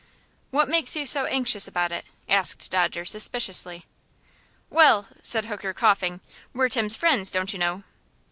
"What makes you so anxious about it?" asked Dodger, suspiciously. "Well," said Hooker, coughing, "we're Tim's friends, don't you know."